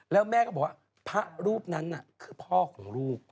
แล้วแม่ก็บอกว่าพระรูปนั้นคือพ่อของลูก